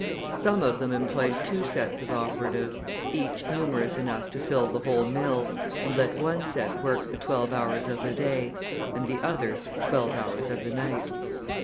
Some of them employed two sets of operatives, each numerous enough to fill the whole mill, and let one set work the twelve hours of the day, and the other twelve hours of the night.